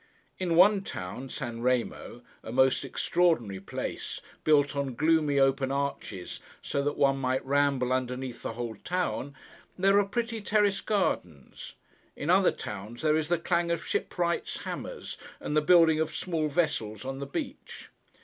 In one town, San Remo—a most extraordinary place, built on gloomy open arches, so that one might ramble underneath the whole town—there are pretty terrace gardens; in other towns, there is the clang of shipwrights' hammers, and the building of small vessels on the beach.